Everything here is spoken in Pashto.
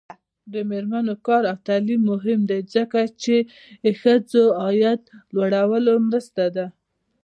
د میرمنو کار او تعلیم مهم دی ځکه چې ښځو عاید لوړولو مرسته ده.